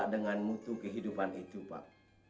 dengan mutu kehidupan itu pak